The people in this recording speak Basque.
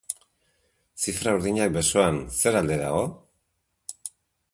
Zifra urdinak besoan, zer alde dago?